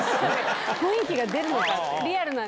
雰囲気が出るのかな